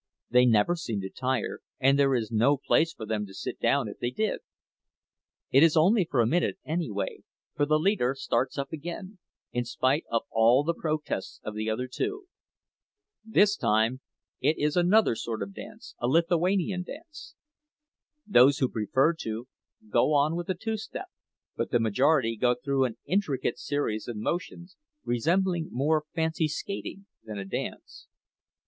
They never seem to tire; and there is no place for them to sit down if they did. It is only for a minute, anyway, for the leader starts up again, in spite of all the protests of the other two. This time it is another sort of a dance, a Lithuanian dance. Those who prefer to, go on with the two step, but the majority go through an intricate series of motions, resembling more fancy skating than a dance.